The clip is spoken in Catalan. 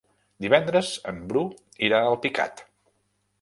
Divendres en Bru irà a Alpicat.